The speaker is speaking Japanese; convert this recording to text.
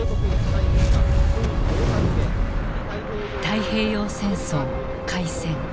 太平洋戦争開戦。